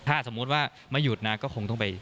ถ้าสมมุติว่าไม่หยุดนะก็คงต้องไป